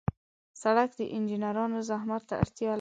سړک د انجنیرانو زحمت ته اړتیا لري.